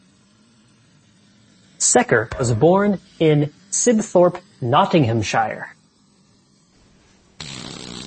Secker was born in Sibthorpe, Nottinghamshire.